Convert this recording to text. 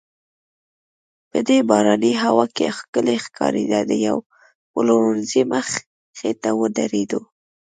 په دې باراني هوا کې ښکلې ښکارېده، د یوې پلورنځۍ مخې ته ودریدو.